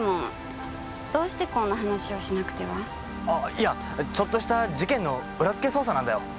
いやちょっとした事件の裏付け捜査なんだよ。